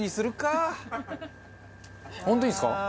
本当にいいんですか？